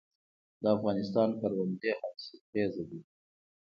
د افغانستان کروندې حاصلخیزه دي